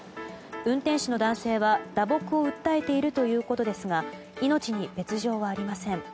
運転手の男性は打撲を訴えているということですが命に別条はありません。